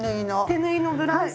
手縫いのブラウス。